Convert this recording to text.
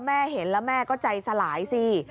แม่เห็นแล้วแม่ก็ใจสลายสิ